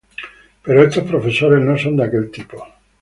Pero estos profesores no son de aquel tipo.